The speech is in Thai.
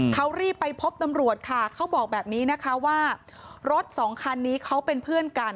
เขารีบไปพบตำรวจค่ะเขาบอกแบบนี้นะคะว่ารถสองคันนี้เขาเป็นเพื่อนกัน